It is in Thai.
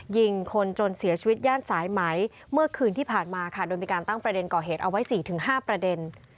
ยิงคนจนเสียชีวิตย่านสายไหมเมื่อคืนที่ผ่านมาค่ะโดยมีการตั้งประเด็นก่อเหตุเอาไว้๔๕ประเด็น